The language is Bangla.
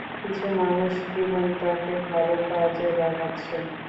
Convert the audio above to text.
কিছু মানুষ জীবনটা কে ভালো কাজে লাগাচ্ছে।